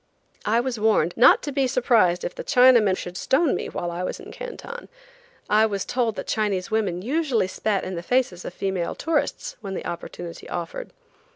I was warned not to be surprised if the Chinamen should stone me while I was in Canton. I was told that Chinese women usually spat in the faces of female tourists when the opportunity offered.